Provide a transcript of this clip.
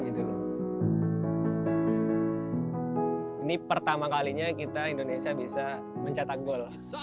ini pertama kalinya kita indonesia bisa mencetak gol